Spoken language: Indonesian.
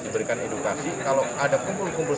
diberikan edukasi kalau ada kumpul kumpul